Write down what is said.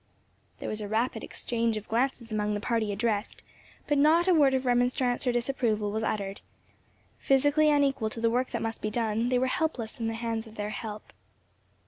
There was a rapid exchange of glances among the party addressed, but not a word of remonstrance or disapproval was uttered. Physically unequal to the work that must be done, they were helpless in the hands of their "help."